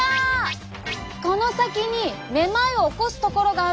この先にめまいを起こすところがあるの！